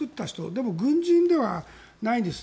でも軍人ではないんです。